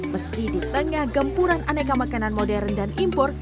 meski di tengah gempuran aneka makanan modern dan impor